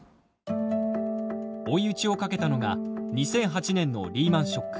追い打ちをかけたのが２００８年のリーマンショック。